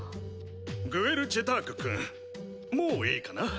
グエル・ジェターク君もういいかな？